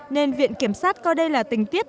nên viện kiểm sát coi đây là tình tiết